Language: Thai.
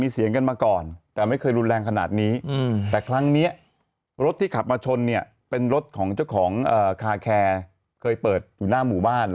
อ๋อสองสองใครพูดอ่ะวันนั้นมีคนพูดอะไรสองสองอ่ะคุณแม่แหละ